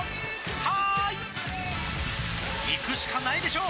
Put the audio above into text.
「はーい」いくしかないでしょ！